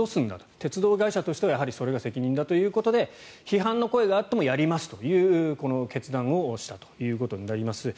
鉄道会社としてはそれが責任だということで批判の声があってもやりますという決断をしたということになります。